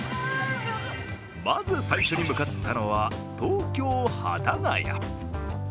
まず最初に向かったのは東京・幡ヶ谷。